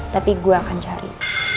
tapi gue akan cari